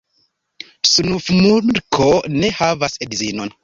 Snufmumriko ne havas edzinon.